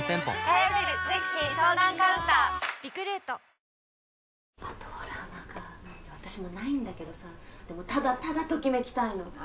ドラマか私もないんだけどさぁでもただただときめきたいの。